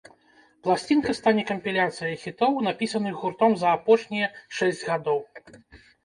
Пласцінка стане кампіляцыяй хітоў, напісаных гуртом за апошнія шэсць гадоў.